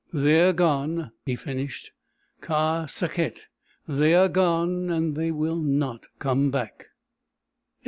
"They are gone," he finished. "Ka Sakhet they are gone and they will not come back!"